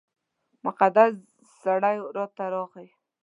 مقدس سړی راته راغی.